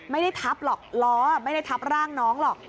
ไม่ได้ทับหรอกล้อไม่ได้ทับร่างน้องหรอก